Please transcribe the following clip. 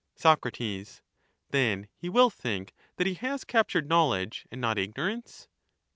Soc, Then he will think that he has captured knowledge and not ignorance